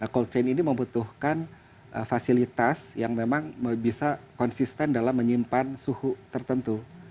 cold chain ini membutuhkan fasilitas yang memang bisa konsisten dalam menyimpan suhu tertentu